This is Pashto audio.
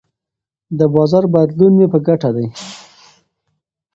د بازار بدلون مې په ګټه دی.